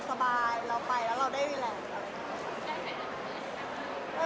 สไตล์ไหนไม่แน่ใจ